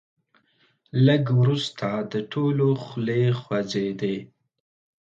لږ وروسته د ټولو خولې خوځېدې.